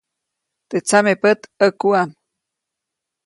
Teʼ tsamepät ʼäkuʼam.